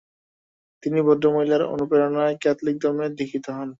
তিনি ভদ্রমহিলার অনুপ্রেরণায় ক্যাথলিক ধর্মে দীক্ষিত হন।